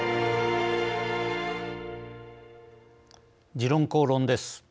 「時論公論」です。